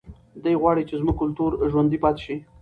دی غواړي چې زموږ کلتور ژوندی پاتې شي.